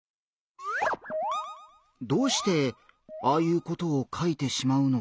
どうしてああいうことを書いてしまうのかな？